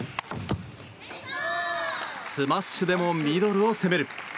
スマッシュでもミドルを攻める。